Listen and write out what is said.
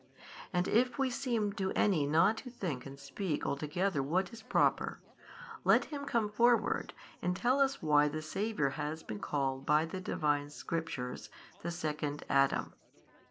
And if we seem to any not to think and speak altogether what is proper, let him come forward and tell us why the Saviour has been called by the Divine Scriptures the Second Adam.